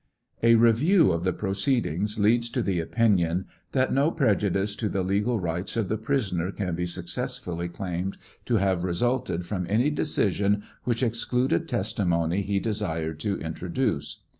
A review of the proceedings leads to the opinion that no prejudice to the legal rights of the prisoner can be successfully claimed to have resulted from any decision which excluded testimony he desired to introduce.